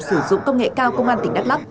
sử dụng công nghệ cao công an tỉnh đắk lắc